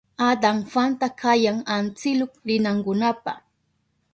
Adan Juanta kayan antsiluk rinankunapa.